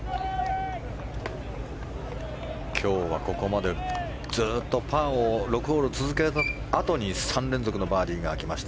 今日はここまでずっとパーを６ホール続けたあとに３連続のバーディーが来ました。